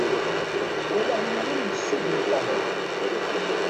Walaɣ yiwen yessuden Tom.